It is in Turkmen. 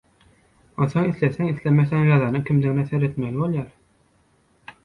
Onsoň isleseň-islemeseň ýazanyň kimdigine seretmeli bolýar.